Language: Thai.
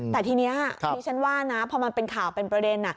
แต่ทีนี้ดิฉันว่านะพอมันเป็นข่าวเป็นประเด็น